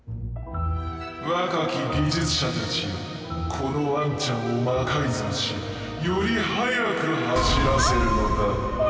若き技術者たちよこのワンちゃんを魔改造しより速く走らせるのだ。